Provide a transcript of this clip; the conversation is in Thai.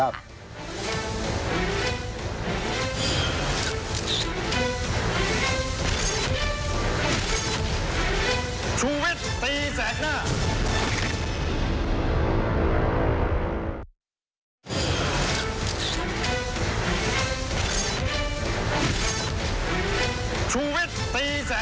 สำคัญพุทธประกอบ